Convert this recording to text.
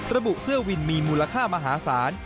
ระบุเสื้อวินมีมูลค่ามหาศาล